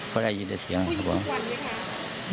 เขาได้ยินแต่เสียงครับผม